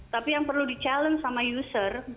tapi yang perlu di challenge sama user